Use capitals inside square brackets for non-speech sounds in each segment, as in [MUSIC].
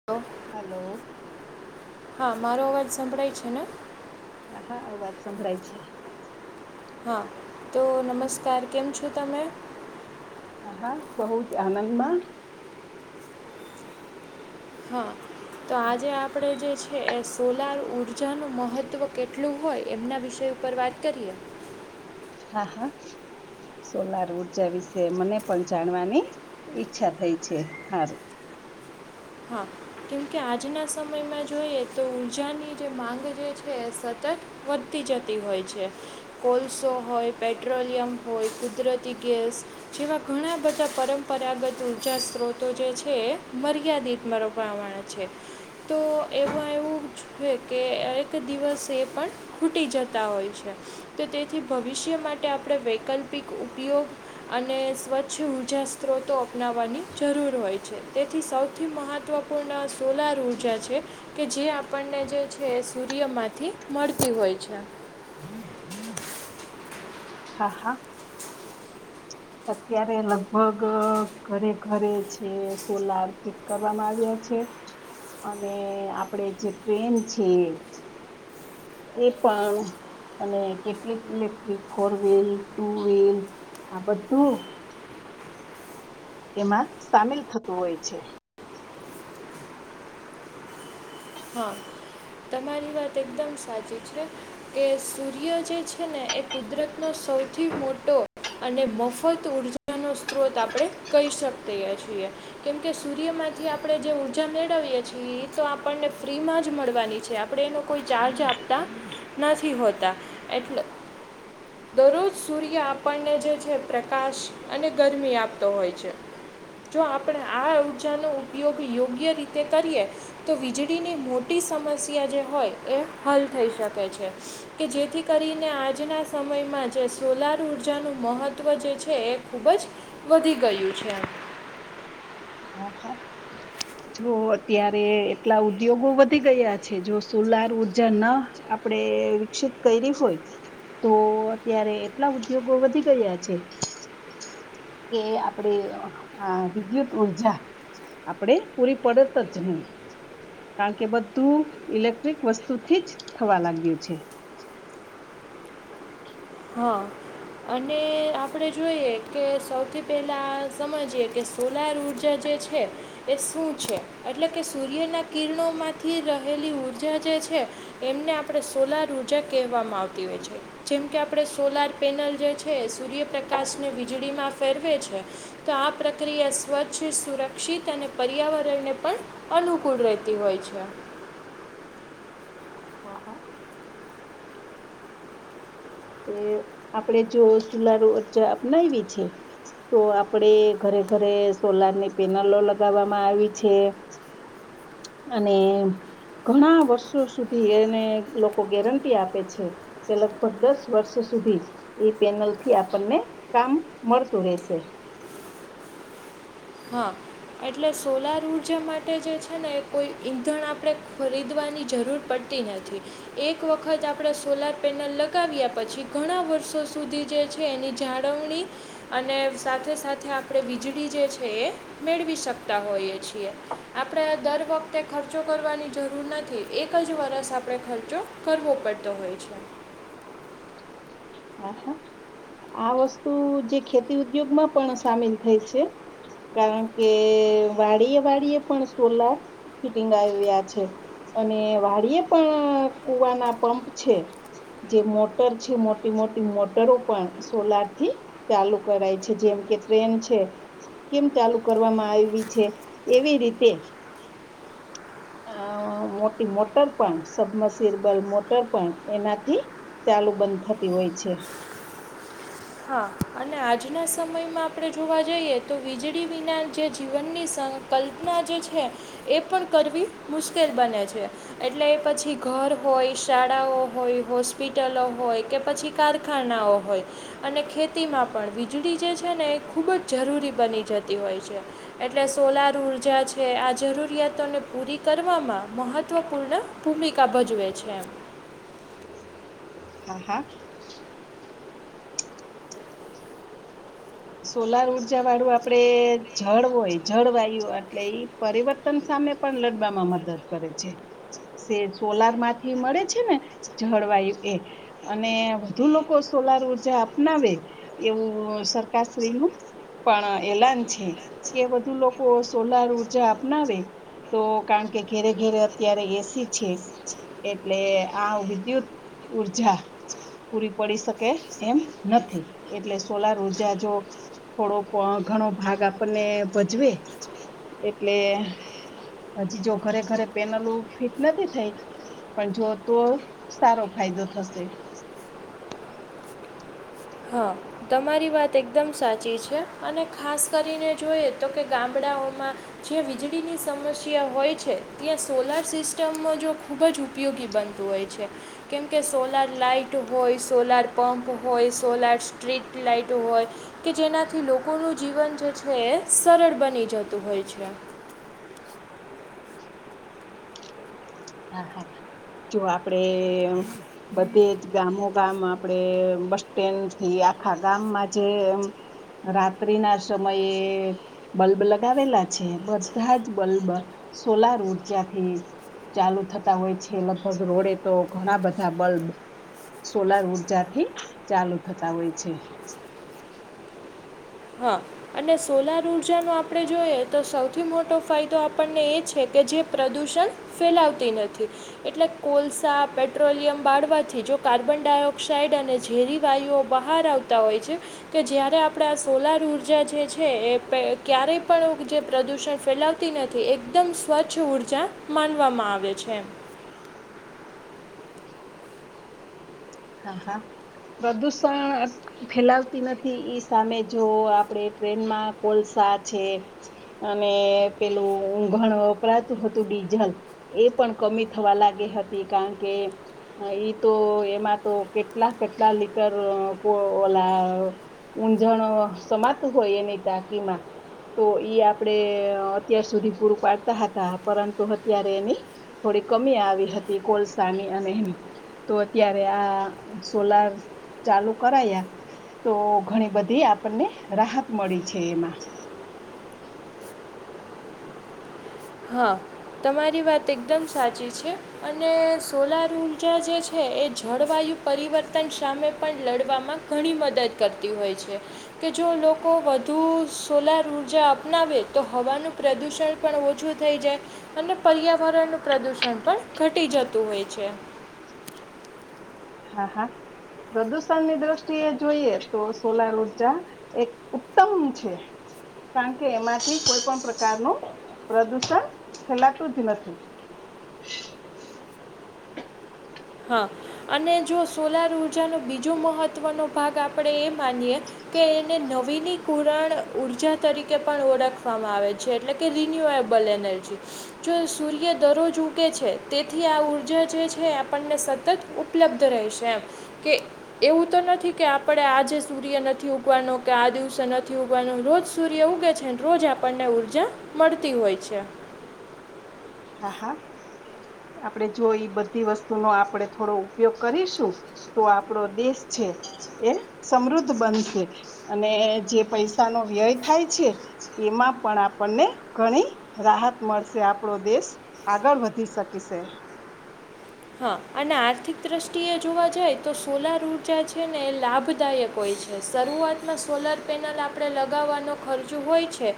[UNINTELLIGIBLE] Hello. હા મારો અવાજ સંંભળાય છે ને. હા હા અવાજ સંભળાય છે. હા તો નમસ્કાર કેમ છો તમે? હા હા બહુ જ આનંદમા. હા તો આજે આપણે જે છે એ સોલાર ઊર્જાનુ મહત્ત્વ કેટલુ હોય એમના વિષય ઉપર વાત કરીએ. હા હા. સોલાર ઊર્જા વિશે મને પણ જાણવાની ઈચ્છા થઈ છે હારુ. હા કેમકે આજના સમયમા જોઈએ તો ઊર્જાની જે માંગ જે છે એ સતત વધતી જતી હોય છે. કોલસો હોય પેટ્રોલિયમ હોય કુદરતી ગેસ જેવા ઘણા બધા પરંપરાગત ઊર્જા સ્ત્રોતો જે છે મર્યાદિત બરો પ્રમાણે છે. તો એમા એવું છે કે એક દિવસ એ પણ ખૂટી જતા હોય છે તો તેથી ભવિષ્ય માટે આપણે વૈકલ્પિક ઉપયોગ અને સ્વચ્છ ઊર્જા સ્ત્રોતો અપનાવવાની જરૂર હોય છે તેથી સૌથી સૌથી મહત્ત્વપૂર્ણ સોલાર ઉર્જા છે. કે જે આપણને જે છે સૂર્ય માંથી મળતી હોય છે. હા હા. અત્યારે લગભગ ઘરે ઘરે છે સોલાર ફીટ કરવામા આવ્યા છે. અને આપડે જે ટ્રેન છે એ પણ અને કેટલીક electric four wheel two wheel આ બધુ એમા સામેલ થતુ હોય છે. હા તમારી વાત એકદમ સાચી છે. કે સૂર્ય જે છે ને એ કુદરતનો સૌથી મોટો અને મફત ઉર્જાનો સ્ત્રોત આપણે કહી શકીએ છીએ. કેમકે સૂર્યમાંથી આપણે જે ઊર્જા મેળવીએ છીએ એ તો આપણને ફ્રી મા જ મળવાની આપણે એનો કોઈ ચાર્જ આપતા નથી હોતા એટલે દરરોજ સૂર્ય આપણને જે છે પ્રકાશ અને ગરમી આપતો હોય છે. જો આપણે આ ઊર્જા નો ઉપયોગ યોગ્ય રીતે કરીએ તો વીજળીની મોટી સમસ્યા જે હોય એ હલ થઈ શકે છે. કે જેથી કરીને આજના સમયમાં જે સોલર ઊર્જાનું મહત્ત્વ જે છે એક ખુબ જ વધી ગયું છે. હા હા. જો અત્યારે એટલા ઉદ્યોગો વધી ગયા છે જો સોલર ઉર્જા ન આપડે વિકસિત કઈરી હોય તો અત્યારે એટલા ઉદ્યોગો વધી ગયા છે. કે આપડે આ વિદ્યુત ઉર્જા આપણેે પૂરી પડત જ નહી. કારણ કે બધું ઇલેક્ટ્રિક વસ્તુ થી જ થવા લાગ્યું છે. હા અને આપણે જોઈએ કે સૌથી પહેલાં સમજીએ કે સોલાર ઊર્જા જે છે એ શું છે એટલે કે સૂર્યના કિરણો માંથી રહેલી ઊર્જા જે છે એમને આપણે સોલાર ઉર્જા કહેવામાં આવતી હોય છે જેમ કે આપણે સોલર પેનલ જે છે એ સૂર્યપ્રકાશને વીજળીમાં ફેરવે છે. તો આ પ્રક્રિયા સ્વચ્છ સુરક્ષિત અને પર્યાવરણને પણ અનુકૂળ રહેતી હોય છે. હા હા. એ આપડે જો સોલર ઊર્જા અપનાયવી છે. તો આપડે ઘરે ઘરે સોલરની પેનલો લગાવવામાં આવી છે. અને ઘણા વર્ષો સુધી એને લોકો ગેરંટી આપે છે કે લગભગ દસ વર્ષો સુધી એ પેનલથી આપણને કામ મળતું રહેેશે. હા. એટલે સોલર ઊર્જા માટે જે છે ને એ કોઈ ઈંધણ આપણે ખરીદવાની જરૂર પડ નથી એક વખત આપણે સોલાર પેનલ લગાવ્યા પછી ઘણા વર્ષો સુધી જે છે એની જાળવણી અને સાથે સાથે આપણે વીજળી જે છે એ મેળવી શકતા હોઈએ છીએ. આપણે દર વખતે ખર્ચો કરવાની જરૂર નથી એક જ વર્ષ આપણે ખર્ચો કરવો પડતો હોય છે. હા હા આ વસ્તુ જે ખેતી ઉદ્યોગમાં પણ સામેલ થઈ છે. કારણ કે વાળીએ વાળીએ પણ સોલાર ફિટિંગ આવ્યા છે. અને વાળિયે પણ કુવાના પંપ છે જે મોટર છે મો ટી મોટી મોટરો પણ સોલરથી ચાલુ કરાય છે જેમ કે ટ્રેન છે. કેમ ચાલુ કરવામાં આયવી છે એવી રીતે અ મોટી મોટર પણ સબમરસિબલ મોટર પણ એનાથી ચાલુ બંધ થતી હોય છે. હા અને આજના સમયમાં આપણે જોવા જઈએ તો વીજળી વિના જે જીવનની સ કલ્પના જે છે એ પણ કરવી મુશ્કેલ બને છે. એટલે પછી ઘર હોય, શાળાઓ હોય, હોસ્પિટલો હોય કે પછી કારખાનાઓ હોય. અને ખેતીમાં પણ વીજળી જે છે ને એ ખૂબ જ જરૂરી બની જતી હોય છે. એટલે સોલાર ઊર્જા છે આ જરૂરિયાતોને પૂરી કરવામાં મહત્ત્વપૂર્ણ ભૂમિકા ભજવે છે એમ. હા હા. સોલાર ઊર્જાવાળું આપડે જળ હોય જળવાયુ એટલે ઈ પરિવર્તન સામે પણ લડવામાં મદદ કરે છે. સે સોલારમાંથી મળે છે ને જળવાયુ એ અને વધુ લોકો સોલાર ઉર્જા અપનાવે એવું સરકારશ્રીનું પણ એલાન છે કે વધુ લોકો સોલાર ઊર્જા અપનાવે. તો કારણ કે ઘેરે ઘેરે અત્યારે એસી છે. એટલે આ વિદ્યુત ઉર્જા પૂરી પડી શકે એમ નથી એટલે સોલાર ઉ જા જો થોડો ઘણો ભાગ આપણને ભજવે એટલે હજી જો ઘરે ઘરે પેનલ ફિટ નથી થઈ. પણ જો તો સારો ફાયદો થશે. હા તમારી વાત એકદમ સાચી છે અને ખાસ કરીને જોયે તો કે ગામડાઓમાં જ્યા વીજળીની સમસ્યા હોય છે ત્યાં સોલાર સિસ્ટમમાં જો ખૂબ જ ઉપ ઉપયોગી બનતું હોય છે. કેમ કે સોલાર લાઈટ હોય, સોલાર પંપ હોય, સોલાર સ્ટ્રીટ લાઈટો હોય. કે જેનાથી લોકોનું જીવન જે છે એ સરળ બની જતું હોય છે. હા હા જો આપડે બધે જ ગામો ગામ આપડે બસ સ્ટેન્ડથી આખા ગામમાં જેમ રાત્રિના સમયે બલ્બ લગાવેલા છે બધાં જ બલ્બ સોલાર ઊર્જાથી ચાલુ થતા હોય છે લગભગ રોડે તો ઘણા બધા બલ્બ સોલાર ઉઊર્જાથી ચાલુ થતા હોય છે હા અને સોલાર ઉર્જાનો આપણે જોઈએ તો સૌથી મોટો ફાયદો આપણને એ છે કે જે પ્રદુષણ ફેલાવતી નથી એટલે કોલસા પેટ્રોલિયમ બાળવાથી જો કાર્બન ડાયોક્સાાઈડ અને ઝેરી વાયુઓ બહાર આવતા હોય છે કે જ્યારે આપણે આ સોલાર ઉર્જા જે છે એ ક્યારેય પણ જે પ્રદૂષણ ફેલાવતી નથી એકદમ સ્વચ્છ ઉઊર્જા માનવામાં આવે છે હા હા પ્રદૂષણ ફેલાવતી નથી ઈ સામે જો આપડે ટ્રેનમાં કોલસા છે અને પેલું ઘણ વપરાતું હતું ડીઝલ એ પણ કમી થવા લાગી હતી કારણ કે ઈ તો એમાં તો કેટલા કેટલા લીટર ઓલા ઉઊંઝણ સમાતું હોય એ નતાકીમાં તો ઈ આપડે અત્યાર સુધી પૂરું પાડતા હતા પરંતુ અત્યારે એની થોડી કમી આવી હતી કોલસાની અને એની તો અત્યારે આ સોલાર ચાલુ કરાયા તો ઘણી બધી આપણને રાહત મળી છે એમાં હા તમારી વાત એકદમ સાચી છે અને સોલાર ઉઊર્જા જે છે એ જળવાયુ પરિવર્તન સામે પણ લડવામાં ઘણી મદદ કરતી હોય છે કે જો લોકો વધુ સોલાર ઉઊર્જા અપનાવે તો હવાનું પ્રદુષણ પણ ઓછું થઈ જાય અને પર્યાવરણનું પ્રદૂષણ પણ ઘટી જતું હોય છે હા હા પ્રદુષણની દ્રષ્ટિએ જોઈએ તો સોલાર ઉર્જા એક ઉત્તમ છે કારણ કે એમાંથી કોઈ પણ પ્રકારનું પ્રદુષણ ફેલાતું જ નથી હ હા અને જો સોલાર ઉર્જાનો બીજો મહત્વનો ભાગ આપણેે એ માનીએ કે એને નવીની કુરાણ ઉર્જા તરીકે પણ ઓળખવામાં આવે છે છે એટલે કે રિન્યુએબલ એનર્જી જો સૂર્ય દરરોજ ઉગે છે તેથી આ ઉર્જા જે છે આપને સતત ઉપલબ્ધ રહેશે એમ કે એવું તો નથી કે આપણે આજે સૂર્ય નથી ઉગવાનો કે આ દિવસે નથી ઉગવાનો રોજ સૂર્ય ઉગે છે રોજ આપણને ઉર્જા મળતી હોય છે હા હા આપડે જોઈ બધી વસ્તુ નો આપણે થોડો ઉપયોગ કરીશું તો આપડો દેશ છે એ સમૃદ્ધ બનશે અને જે પૈસાનો વ્યય થાય છે એમાં પણ આપણને ઘણી રાહત મળશે આપણો દેશ આગળ વધી શકે છે હા અને આર્થિક દ્રષ્ટિએ જોવા જાય તો સોલાર ઉઊર્જા છે ને એ લાભદાયક હોય છે શરૂઆતમાં સોલાર પેનલ આપણે લગાવવાનો ખર્ચો હોય છે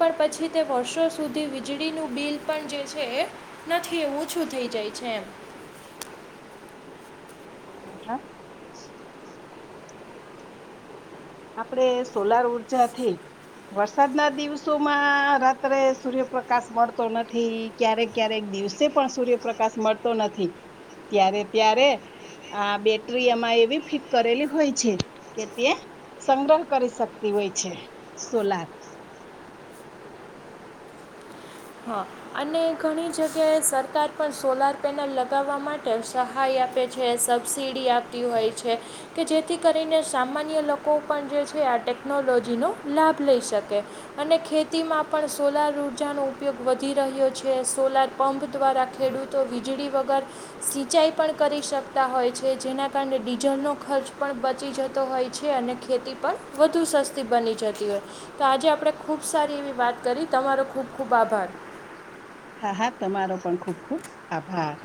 પણ પછી તે વર્ષો સુધી વીજળીનું બિલ પણ જે છે એ નથી એ ઓછું થઈ જાય છે એમ હા હા આપણે સોલાર ઉર્જાથી વરસાદ ના દિવસોમાં રાત્રે સૂર્યપ્રકાશ મળતો નથી ક્યારેક ક્યારેક દિવસે પણ સૂર્યપ્રકાશ મળતો નથી ત્યારે ત્યારે આ બેટરી એમાં એવી ફિક કરેલી હોય છે કે તે સંગ્રહ કરી શકતી હોય છે સોલાર હા અને ઘણી જગ્યાએ સરકાર પણ સોલાર પેનલ લગાવવા માટે સહાય આપે છે સબસીડી આપતી હોય છે કે જેથી કરીને સામાન્ય લોકો પણ જે છે આ ટેકનોલોજીનો લાભ લઈ શકે અને ખેતી માં પણ સોલાર ઉર્જાનો ઉપયોગ વધી રહ્યો છે સોલાર પંપ દ્વારા ખેડૂતો વીજળી વગર સિંચાઈ પણ કરી શકતા હોય છે જેના કારણે ડીઝલનો ખર્ચ પણ બચી જતો હોય છે અને ખેતી પન વધુ સસ્તી બની જતી હોય તો આજે આપડે ખૂબ સારી એવી વાત કરી તમારો ખૂબ ખૂબ આભાર હા હા તમારો પણ ખુબ ખુબ આભાર